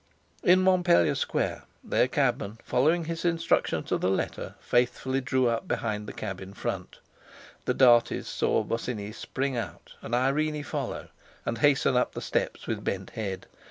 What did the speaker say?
In Montpellier Square their cabman, following his instructions to the letter, faithfully drew up behind the cab in front. The Darties saw Bosinney spring out, and Irene follow, and hasten up the steps with bent head.